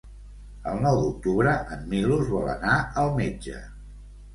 El nou d'octubre en Milos vol anar al metge.